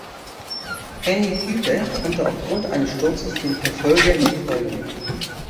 Hennie Kuiper konnte aufgrund eines Sturzes den Verfolgern nicht folgen.